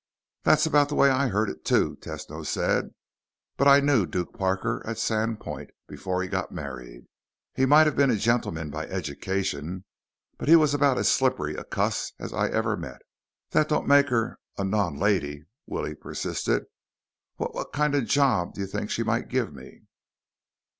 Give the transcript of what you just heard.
"That's about the way I heard it, too," Tesno said. "But I knew Duke Parker at Sandpoint, before he got married. He might have been a gentleman by education, but he was about as slippery a cuss as I ever met." "That don't make her a non lady," Willie persisted. "Wh what k kind of a job you think she might give me?"